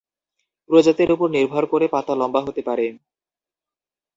প্রজাতির উপর নির্ভর করে পাতা লম্বা হতে পারে।